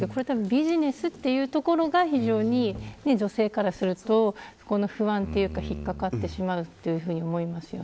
ビジネスというところが非常に女性からすると不安というか引っ掛かってしまうというふうに思いますよね。